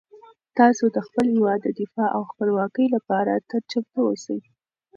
تاسو د خپل هیواد د دفاع او خپلواکۍ لپاره تل چمتو اوسئ.